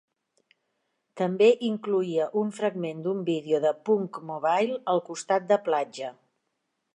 També incloïa un fragment d'un vídeo de Punkmobile al costat de platja.